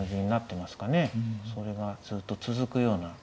それがずっと続くような。